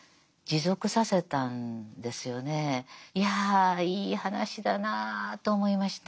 いやいい話だなぁと思いました。